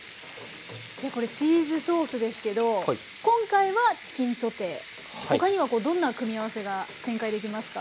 いやこれチーズソースですけど今回はチキンソテー他にはどんな組み合わせが展開できますか？